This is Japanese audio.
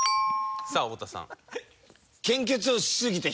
さあ太田さん。